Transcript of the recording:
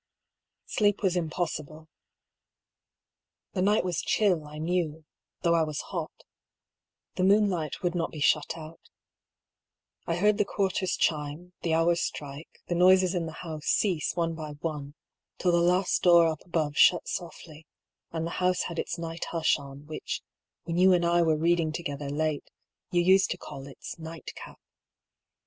Sleep was impossible. The night was chill, I knew, though I was hot. The moonlight would not be shut out. I hq^rd the quarters chime, the hours strike, the noises in the house cease one by one, till the last door up above shut softly, and the house had its night hush on, which, when you and I were reading together late, you used to call its " nightcap."